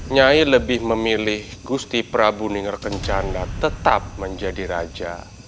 nyai lebih memilih gusti prabu ningerkencanda tetap menjadi raja